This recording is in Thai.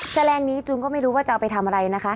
แลงนี้จูนก็ไม่รู้ว่าจะเอาไปทำอะไรนะคะ